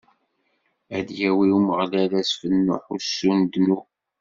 Ad d-yawi i Umeɣlal asfel n uḥussu n ddnub.